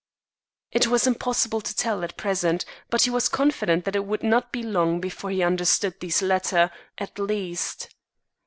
It was impossible to tell, at present; but he was confident that it would not be long before he understood these latter, at least.